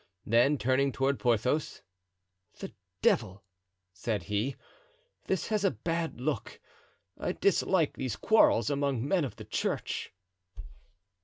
Then, turning toward Porthos, "The devil!" said he, "this has a bad look. I dislike these quarrels among men of the church."